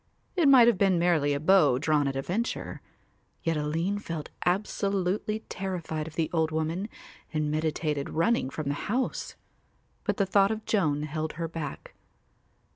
It might have been merely a bow drawn at a venture, yet Aline felt absolutely terrified of the old woman and meditated running from the house, but the thought of Joan held her back.